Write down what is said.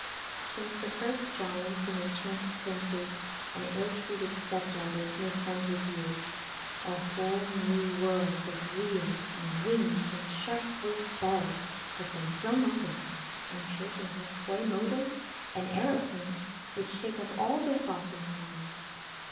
Since the first giants and enchanted princes and ill treated step daughters made friends with you, a whole new world of wheels and wings and sharp voiced bells has been thrown open, and children have toy motors and aeroplanes which take up all their thoughts and time.